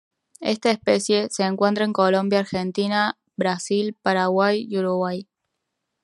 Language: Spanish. Esta especie se encuentra en Colombia Argentina, Brasil, Paraguay y Uruguay.